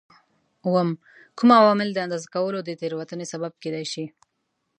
اووم: کوم عوامل د اندازه کولو د تېروتنې سبب کېدای شي؟